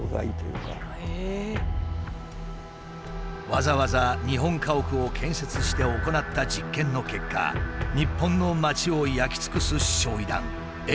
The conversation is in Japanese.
わざわざ日本家屋を建設して行った実験の結果日本の街を焼き尽くす焼夷弾